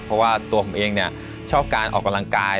เพราะว่าตัวผมเองชอบการออกกำลังกาย